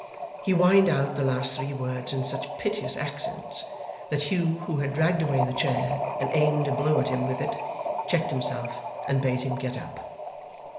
He whined out the last three words in such piteous accents, that Hugh, who had dragged away the chair, and aimed a blow at him with it, checked himself, and bade him get up.